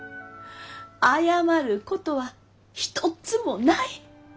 謝ることは一つもない！